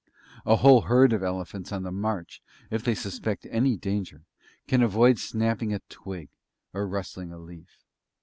A whole herd of elephants on the march, if they suspect any danger, can avoid snapping a twig, or rustling a leaf.